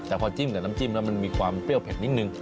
แต่พอจิ้มกับน้ำจิ้มแล้วมันมีความเปรี้ยวเผ็ดนิดนึง